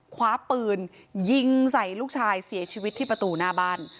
คว้าปืนยิงใส่ลูกชายเสียชีวิตที่ประตูหน้าบ้าน